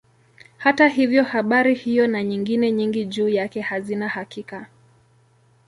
Hata hivyo habari hiyo na nyingine nyingi juu yake hazina hakika.